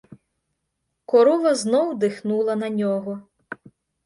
Корова знов дихнула на нього.